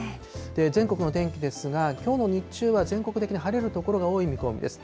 全国の天気ですが、きょうの日中は全国的に晴れる所が多い見込みです。